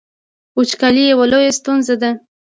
وچکالي یوه لویه ستونزه ده